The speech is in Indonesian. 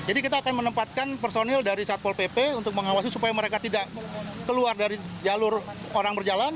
jadi kita akan menempatkan personil dari satpol pp untuk mengawasi supaya mereka tidak keluar dari jalur orang berjalan